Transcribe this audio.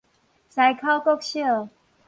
西口國小